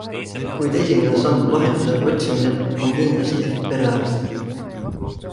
Kuid esimene samm lahenduse otsimisel on kindlasti perearst.